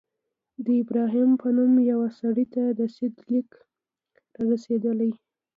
د ابراهیم په نوم یوه سړي ته د سید لیک را رسېدلی.